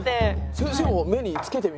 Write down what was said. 先生も目につけてみます？